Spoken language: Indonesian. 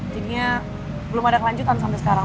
jadinya belum ada kelanjutan sampai sekarang